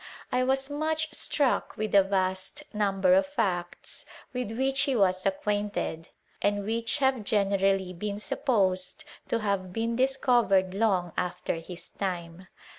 I was much struck with the vast number of facts with which he was acquainted, and which have generally been sup posed to have been discovered long after his time.